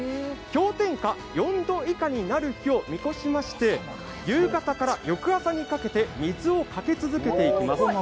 氷点下４度以下になる日を見越しまして、夕方から翌朝にかけて水をかけ続けていきます。